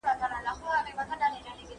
¬ مشره زه يم کونه د دادا لو ده.